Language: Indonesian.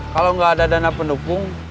kalau nggak ada dana pendukung